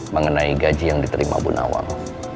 mengenai gaji yang diterima bunawang